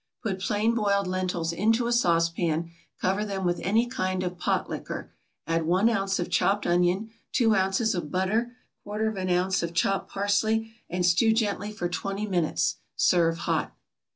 = Put plain boiled lentils into a sauce pan, cover them with any kind of pot liquor, add one ounce of chopped onion, two ounces of butter, quarter of an ounce of chopped parsley, and stew gently for twenty minutes; serve hot.